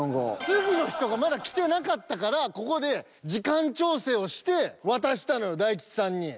次の人がまだ来てなかったからここで時間調整をして渡したのよ大吉さんに。